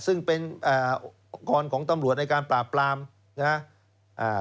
ซึ่งเป็นกรณ์ของตำรวจในการปราบปรามนะฮะ